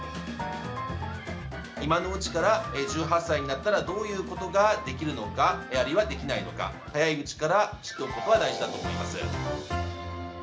今のうちから、１８歳になったらどういうことができるのか、あるいはできないのか、早いうちから知っておくことが大事だと思います。